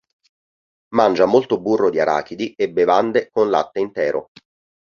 Mangia molto burro di arachidi e bevande con latte intero.